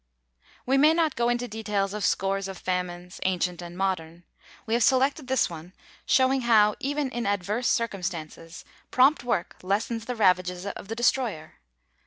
We may not go into details of scores of famines, ancient and modern; we have selected this one, showing how, even in adverse circumstances, prompt work lessens the ravages of the destroyer.